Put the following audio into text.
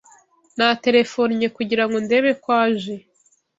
Naterefonnye kugira ngo ndebe ko aje.